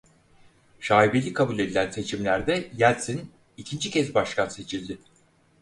Şaibeli kabul edilen seçimlerde Yeltsin ikinci kez başkan seçildi.